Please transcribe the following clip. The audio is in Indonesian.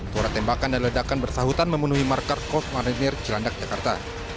suara tembakan dan ledakan bersahutan memenuhi markar kos marinir cilandak jakarta